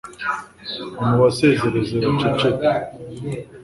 nimubasezerere baceceke